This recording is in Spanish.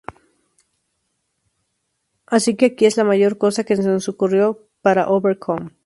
Así que aquí es la mayor cosa que se nos ocurrió para 'Overcome.